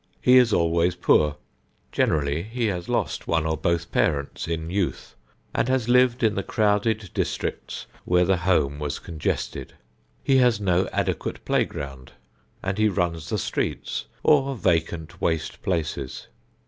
He is always poor. Generally he has lost one or both parents in youth and has lived in the crowded districts where the home was congested. He has no adequate playground and he runs the streets or vacant, waste places.